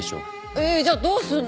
えっじゃあどうすんの？